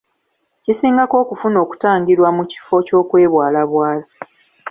Kisingako okufuna okutangirwa mu kifo ky'okwebwalabwala.